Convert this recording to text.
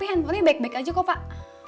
handphonenya baik baik aja kok pak